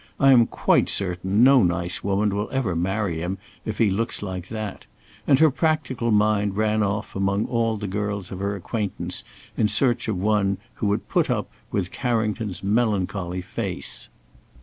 I am quite certain no nice woman will ever marry him if he looks like that;" and her practical mind ran off among all the girls of her acquaintance, in search of one who would put up with Carrington's melancholy face.